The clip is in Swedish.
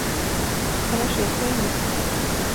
Annars vet jag inget.